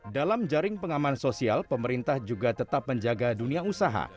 dalam jaring pengaman sosial pemerintah juga tetap menjaga dunia usaha